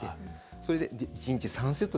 それで１日３セット